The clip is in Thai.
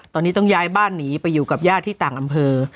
ตอนนี้ต้องย้ายบ้านหนีไปอยู่กับญาติที่ต่างอำเภอ